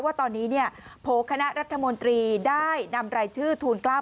ว่าตอนนี้เนี่ยโพคณะรัฐมนตรีได้นำรายชื่อทูล๙๙